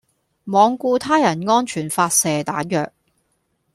罔顧他人安全發射彈藥